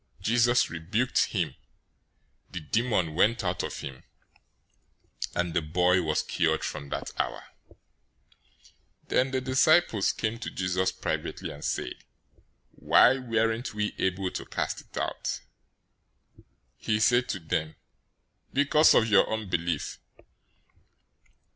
017:018 Jesus rebuked him, the demon went out of him, and the boy was cured from that hour. 017:019 Then the disciples came to Jesus privately, and said, "Why weren't we able to cast it out?" 017:020 He said to them, "Because of your unbelief.